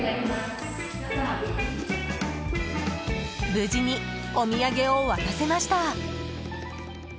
無事にお土産を渡せました！